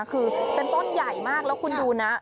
คือเป็นต้นใหญ่มากแล้วคุณดูนะ